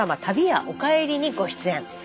「旅屋おかえり」にご出演。